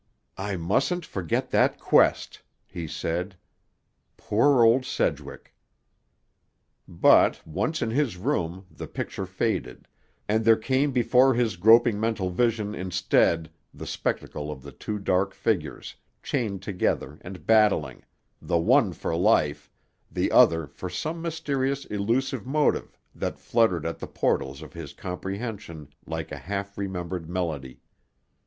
"I mustn't forget that quest," he said. "Poor old Sedgwick!" But, once in his room, the picture faded, and there came before his groping mental vision instead the spectacle of two dark figures, chained together and battling, the one for life, the other for some mysterious elusive motive that fluttered at the portals of his comprehension like a half remembered melody.